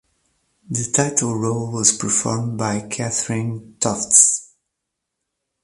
The title role was performed by Catherine Tofts.